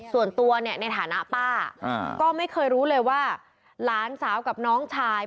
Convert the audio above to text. ส่วนตัวเนี่ยในฐานะป้าก็ไม่เคยรู้เลยว่าหลานสาวกับน้องชาย